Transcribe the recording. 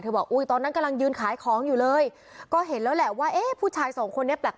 บอกอุ้ยตอนนั้นกำลังยืนขายของอยู่เลยก็เห็นแล้วแหละว่าเอ๊ะผู้ชายสองคนนี้แปลก